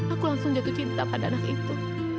aku langsung jatuh cinta pada anak itu